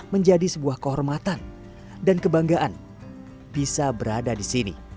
menjadi sebuah kehormatan dan kebanggaan bisa berada di sini